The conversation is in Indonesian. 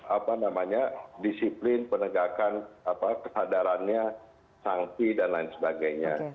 apa namanya disiplin penegakan kesadarannya sanksi dan lain sebagainya